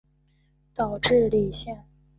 岛智里线